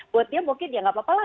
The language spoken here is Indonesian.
buat dia mungkin ya nggak apa apa lah